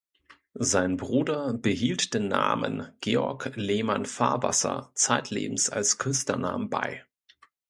Sein Bruder behielt den Namen Georg Lehmann-Fahrwasser zeitlebens als Künstlernamen bei.